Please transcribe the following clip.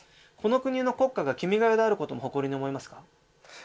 この国の国歌が「君が代」であることも誇りに思いますか？